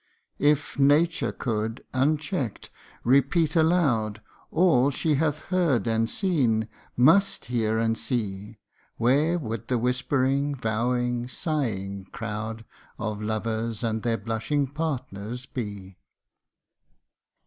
If Nature could, unchecked, repeat aloud All she hath heard and seen must hear and see Where would the whispering, vowing, sighing crowd Of lovers, and their blushing partners, be